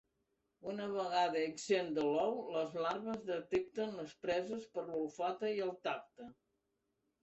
Una vegada ixen de l'ou les larves detecten les preses per l'olfacte i el tacte.